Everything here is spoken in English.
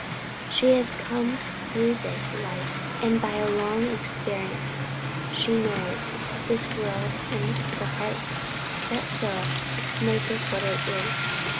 She has come through this life, and by a long experience she knows this world and the hearts that fill it and make it what it is.